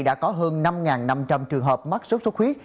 đã có hơn năm năm trăm linh trường hợp mắc sốt sốt khuyết